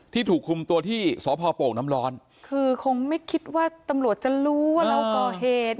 ถูกคุมตัวที่สพโป่งน้ำร้อนคือคงไม่คิดว่าตำรวจจะรู้ว่าเราก่อเหตุ